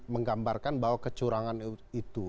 menggambarkan bahwa kecurangan itu